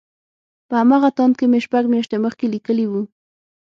په همغه تاند کې مې شپږ مياشتې مخکې ليکلي وو.